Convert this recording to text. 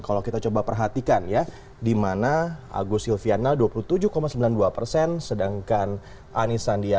kalau kita coba perhatikan ya dimana agus silviana dua puluh tujuh sembilan puluh dua persen